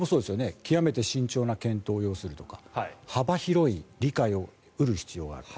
極めて慎重な検討を要するとか幅広い理解を得る必要があるとか。